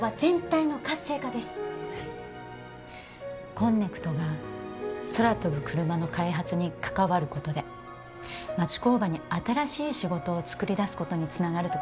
こんねくとが空飛ぶクルマの開発に関わることで町工場に新しい仕事を作り出すことにつながると考えてます。